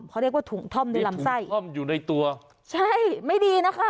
เขาเรียกว่าถุงท่อมในลำไส้ท่อมอยู่ในตัวใช่ไม่ดีนะคะ